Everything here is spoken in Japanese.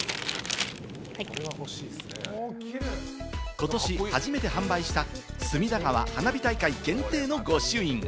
ことし初めて販売した隅田川花火大会限定の御朱印。